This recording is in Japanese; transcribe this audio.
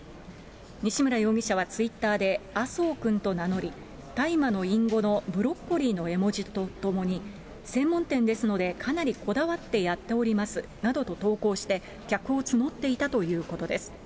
西村容疑者はツイッターで、麻生くんと名乗り、大麻の隠語のブロッコリーの絵文字と共に、専門店ですのでかなりこだわってやっておりますなどと投稿して、客を募っていたということです。